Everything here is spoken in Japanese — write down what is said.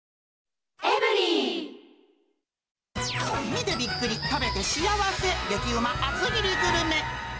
見てびっくり、食べて幸せ、激ウマ厚切りグルメ。